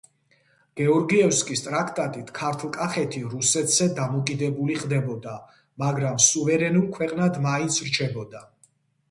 გეორგიევსკის ტრაქტატით ქართლ-კახეთი რუსეთზე დამოკიდებული ხდებოდა, მაგრამ სუვერენულ ქვეყნად მაინც რჩებოდა.